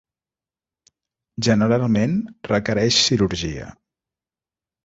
Generalment requereix cirurgia.